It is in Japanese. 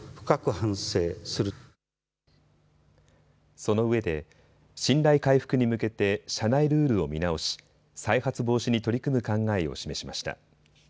そのうえで信頼回復に向けて社内ルールを見直し再発防止に取り組む考えを示しました。